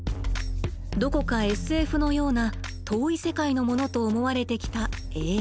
どこかＳＦのような遠い世界のものと思われてきたＡＩ。